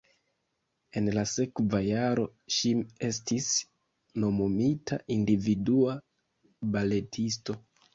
En la sekva jaro ŝi estis nomumita individua baletisto.